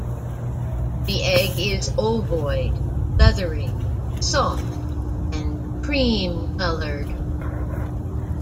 The egg is ovoid, leathery, soft, and cream-coloured.